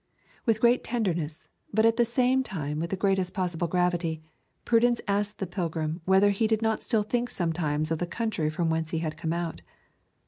With great tenderness, but at the same time with the greatest possible gravity, Prudence asked the pilgrim whether he did not still think sometimes of the country from whence he had come out.